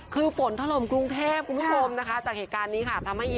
คือฝนถล่มกรุงเทพจากเหตุการณ์นี้ค่ะ